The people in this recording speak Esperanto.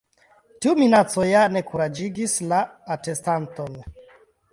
Tiu minaco ja ne kuraĝigis la atestanton.